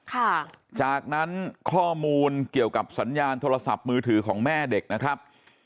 ค่ะจากนั้นข้อมูลเกี่ยวกับสัญญาณโทรศัพท์มือถือของแม่เด็กนะครับ